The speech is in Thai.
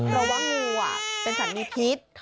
เพราะว่างูเป็นสัตว์มีพิษ